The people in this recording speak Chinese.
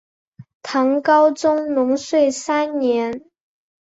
唐高宗龙朔三年。